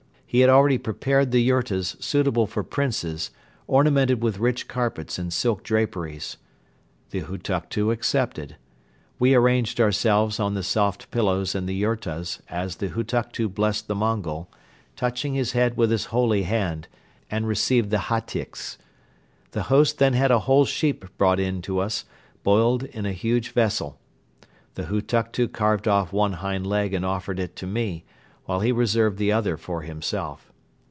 He had already prepared the yurtas suitable for Princes, ornamented with rich carpets and silk draperies. The Hutuktu accepted. We arranged ourselves on the soft pillows in the yurtas as the Hutuktu blessed the Mongol, touching his head with his holy hand, and received the hatyks. The host then had a whole sheep brought in to us, boiled in a huge vessel. The Hutuktu carved off one hind leg and offered it to me, while he reserved the other for himself.